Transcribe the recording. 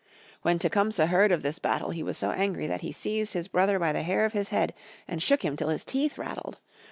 When Tecumseh heard of this battle he was so angry that he seized his brother by the hair of his head and shook him till his teeth rattled.